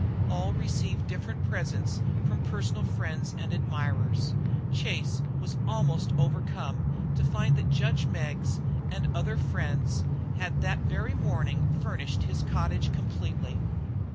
All received different presents from personal friends and admirers. Chase was almost overcome to find that judge Meggs and other friends had that very morning furnished his cottage completely.